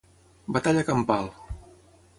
Batalla campal